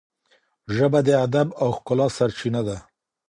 ژبه د ادب او ښکلا سرچینه ده.